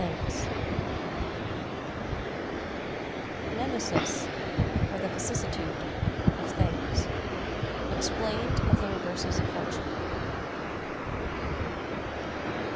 —NEMESIS, OR THE VICISSITUDE OF THINGS. EXPLAINED OF THE REVERSES OF FORTUNE.